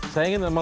terima kasih pak